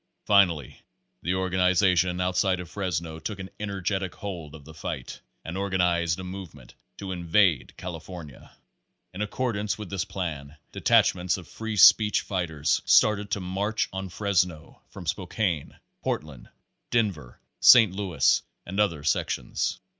Finally, the organization outside of Fresno took an energetic hold of the fight, and organized a movement to "invade Cali fornia." In accordance with this plan, detachments of. free speech fighters started to "march on Fresno" from Spokane, Portland, Denver, St. Louis and other sec tions.